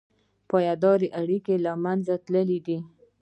پایداره اړیکې له منځه تللي دي.